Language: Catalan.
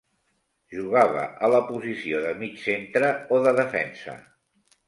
Jugava a la posició de mig centre o de defensa.